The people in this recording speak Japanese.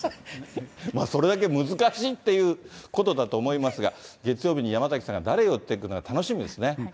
それだけ難しいということだと思いますが、月曜日に山崎さんが誰を言ってくるのか楽しみですね。